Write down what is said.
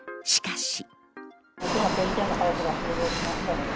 しかし。